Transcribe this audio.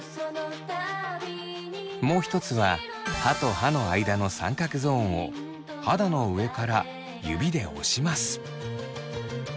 もう一つは歯と歯の間の三角ゾーンを肌の上から指で押します。